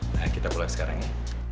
nah kita mulai sekarang ya